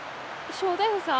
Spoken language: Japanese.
正太夫さん？